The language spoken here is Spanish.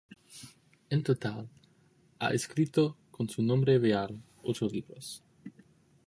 En total, ha escrito —con su nombre real— ocho libros.